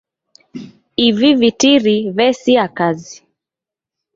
Ivi vitiri vesia kazi.